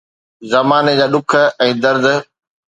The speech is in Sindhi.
زماني جا ڏک ۽ درد